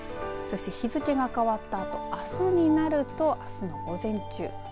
そして日付が変わったあすになると、あすの午前中